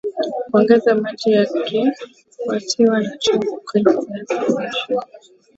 ongeza maji yakifuatiwa na chumvi kwenye viazi lishe